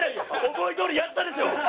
思いどおりやったでしょ！